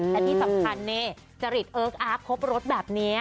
แต่ที่สำคัญเนี่ยจะรีดเอิ๊กอัพครบรถแบบนี้